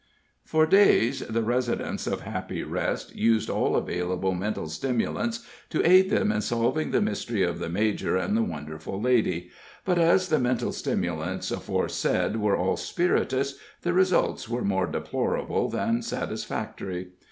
For days the residents of Happy Rest used all available mental stimulants to aid them in solving the mystery of the major and the wonderful lady; but, as the mental stimulants aforesaid were all spirituous, the results were more deplorable than satisfactory.